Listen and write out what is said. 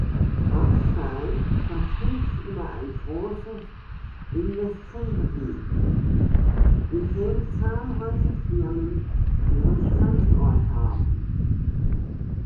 Ramstein verfügt über ein großes Industriegebiet, in dem zahlreiche Firmen ihren Standort haben.